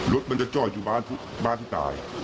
รถมันจะจอดอยู่บ้านที่ตาย